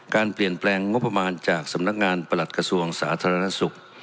การเปลี่ยนแปลงงบประมาณจากสำนักงานประหลัดกระทรวงสาธารณสุข